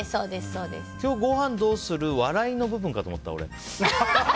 「今日ご飯どーする？」の「笑」の部分かと思った。